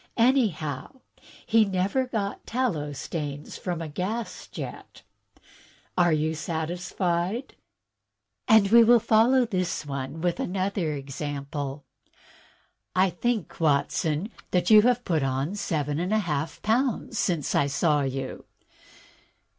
Anyh6w, he never got tallow stains from a gas jet. Are you satisfied? " And we will follow this with a similar example: "I think, Watson, that you have put on seven and a half pounds since I saw you."